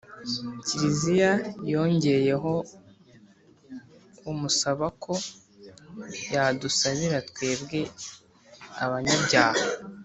kiliziya yongeyeho, amusaba ko yadusabira twebwe abanyabyaha: